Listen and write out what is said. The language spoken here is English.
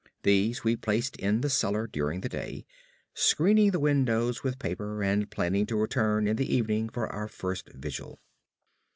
These we placed in the cellar during the day, screening the windows with paper and planning to return in the evening for our first vigil.